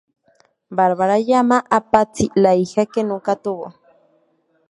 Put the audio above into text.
Barbara llama a Patsy la "hija" que nunca tuvo.